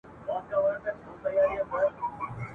بېګناه چي د ګناه په تهمت وژني !.